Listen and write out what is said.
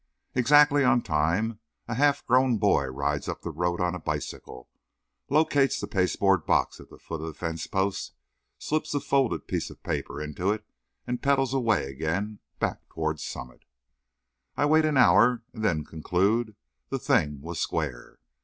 Exactly on time, a half grown boy rides up the road on a bicycle, locates the pasteboard box at the foot of the fence post, slips a folded piece of paper into it and pedals away again back toward Summit. I waited an hour and then concluded the thing was square.